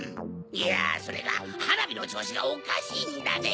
いやそれがはなびのちょうしがおかしいんだぜ。